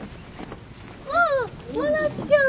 ああ真夏ちゃん。